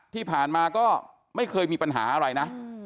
ที่ผ่านมาก็ไม่เคยมีปัญหาอะไรนะ